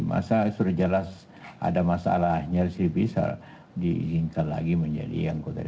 masa sudah jelas ada masalahnya sih bisa diizinkan lagi menjadi anggota dpr